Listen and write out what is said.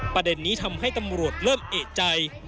ประเด็นนี้ทำให้ตำรวจเริ่มเอกใจ